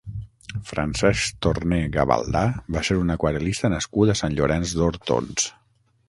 Francesc Torné Gavaldà va ser un aquarel·lista nascut a Sant Llorenç d'Hortons.